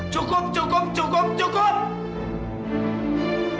cukup cukup cukup cukup